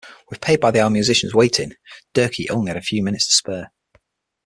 With paid-by-the-hour musicians waiting, Durkee had only a few minutes to spare.